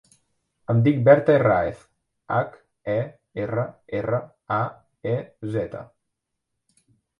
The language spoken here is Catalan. Em dic Berta Herraez: hac, e, erra, erra, a, e, zeta.